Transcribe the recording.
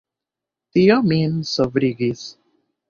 Tio min sobrigis.